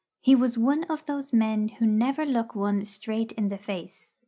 He was one of those men who never look one straight in the face.